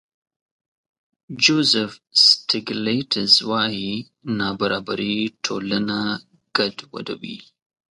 جوزف سټېګلېټز وايي نابرابري ټولنه ګډوډوي.